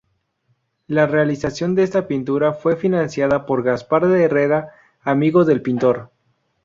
La realización de esta pintura fue financiada por Gaspar de Herrera, amigo del pintor.